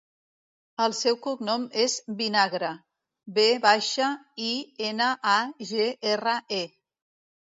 El seu cognom és Vinagre: ve baixa, i, ena, a, ge, erra, e.